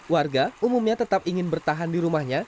warga umumnya tetap ingin bertahan di rumahnya